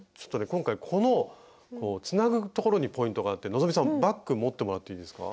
今回このつなぐところにポイントがあって希さんバッグ持ってもらっていいですか？